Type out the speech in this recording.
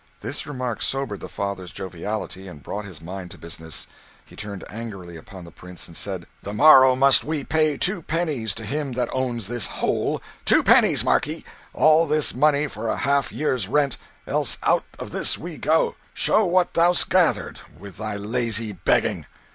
This remark sobered the father's joviality, and brought his mind to business. He turned angrily upon the Prince, and said "The morrow must we pay two pennies to him that owns this hole; two pennies, mark ye all this money for a half year's rent, else out of this we go. Show what thou'st gathered with thy lazy begging."